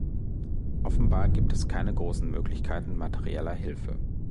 Offenbar gibt es keine großen Möglichkeiten materieller Hilfe.